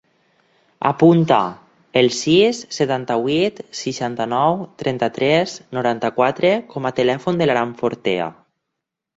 Apunta el sis, setanta-vuit, seixanta-nou, trenta-tres, noranta-quatre com a telèfon de l'Aram Fortea.